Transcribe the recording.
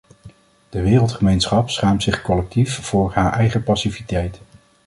De wereldgemeenschap schaamt zich collectief voor haar eigen passiviteit.